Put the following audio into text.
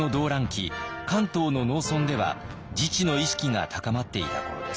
関東の農村では自治の意識が高まっていた頃です。